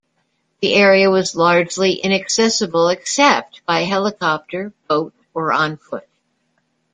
The area was largely inaccessible except by helicopter, boat or on foot.